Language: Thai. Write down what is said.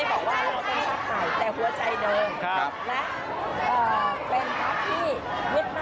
สำคัญลบ่อว่าเราต้องเข้าต่างแต่หัวใจเดิม